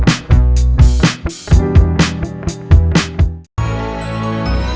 badan kamu ada yang sakit gak rasanya